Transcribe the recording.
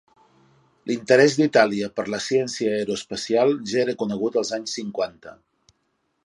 L'interès d'Itàlia per la ciència aeroespacial ja era conegut als anys cinquanta.